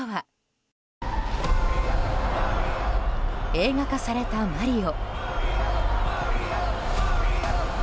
映画化されたマリオ。